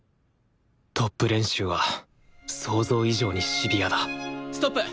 トップ練習は想像以上にシビアだストップ。